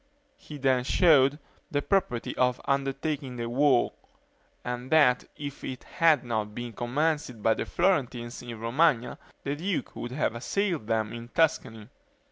He then showed the propriety of undertaking the war; and that if it had not been commenced by the Florentines in Romagna the duke would have assailed them in Tuscany.